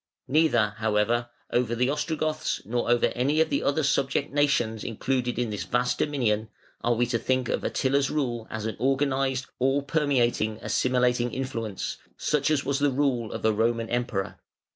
Neither, however, over the Ostrogoths nor over any of the other subject nations included in this vast dominion are we to think of Attila's rule as an organised, all permeating, assimilating influence, such as was the rule of a Roman Emperor.